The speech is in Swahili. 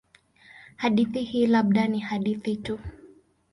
Hadithi hii labda ni hadithi tu.